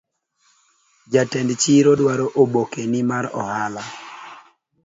Jatend chiro dwaro obokeni mar hala